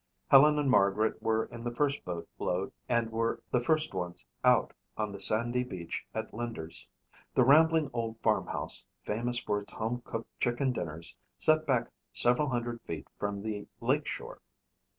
Helen and Margaret were in the first boat load and were the first ones out on the sandy beach at Linder's. The rambling old farmhouse, famous for its home cooked chicken dinners, set back several hundred feet from the lake shore.